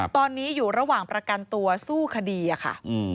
ตอนนี้อยู่ระหว่างประกันตัวสู้คดีอะค่ะ